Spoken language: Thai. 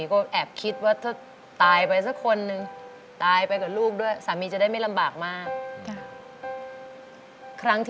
ก็แอบคิดว่าถ้าตายไปสักคนนึง